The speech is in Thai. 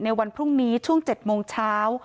วันพรุ่งนี้ช่วง๗โมงเช้า